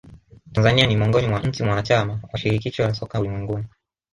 tanzania ni miongoni mwa nchi mwanachama wa shirikisho la soka ulimwenguni